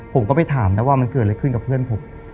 ผมก็ไปถามนะว่ามันเกิดอะไรขึ้นกับเพื่อนผม